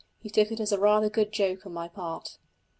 He took it as a rather good joke on my part.